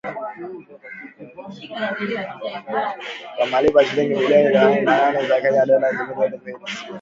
Kwa malipo ya shilingi bilioni thelathini na nne za Kenya (dola milioni mia mbili tisini na nane).